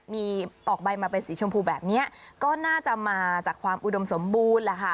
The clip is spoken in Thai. มีออกใบมาเป็นสีชมพูแบบนี้ก็น่าจะมาจากความอุดมสมบูรณ์แหละค่ะ